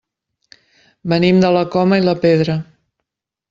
Venim de la Coma i la Pedra.